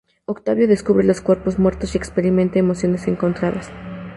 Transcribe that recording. Octavio descubre los cuerpos muertos y experimenta emociones encontradas.